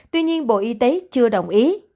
tuy nhiên bộ y tế chưa đồng ý